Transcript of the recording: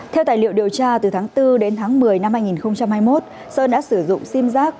theo tài liệu điều tra từ tháng bốn đến tháng một mươi năm hai nghìn hai mươi một sơn đã sử dụng sim giác